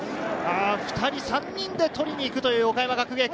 ２人、３人で取りに行くという岡山学芸館。